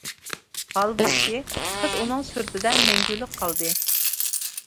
ھالبۇكى، قىز ئۇنىڭ سۈرىتىدە مەڭگۈلۈك قالدى.